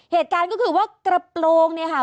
เหตุการณ์ก็คือว่ากระโปรงเนี่ยค่ะ